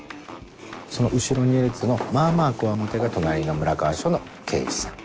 その後ろ２列のまあまあ強面が隣の村川署の刑事さん。